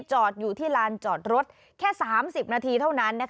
จอดอยู่ที่ลานจอดรถแค่๓๐นาทีเท่านั้น